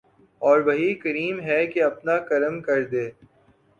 او ر وہی کریم ہے کہ اپنا کرم کردے ۔